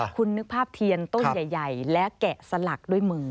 คุณนึกภาพเทียนต้นใหญ่และแกะสลักด้วยมือ